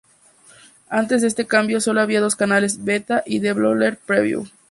Antes de este cambio solo había dos canales: Beta y Developer Preview.